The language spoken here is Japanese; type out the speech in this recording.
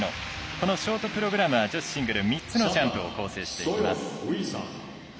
このショートプログラムは女子シングル３つのジャンプを構成していきます。